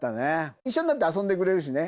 一緒になって遊んでくれるしね。